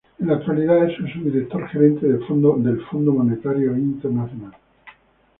En la actualidad es el Subdirector Gerente del Fondo Monetario Internacional.